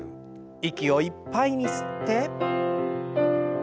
息をいっぱいに吸って。